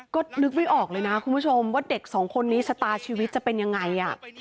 ก็นึกไม่ออกเลยนะคุณผู้ชมว่าเด็กสองคนนี้ชะตาชีวิตจะเป็นยังไง